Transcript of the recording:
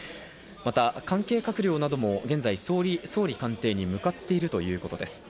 関係閣僚なども現在、総理官邸に向かっているということです。